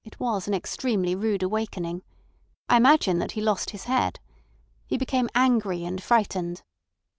It was an extremely rude awakening. I imagine that he lost his head. He became angry and frightened.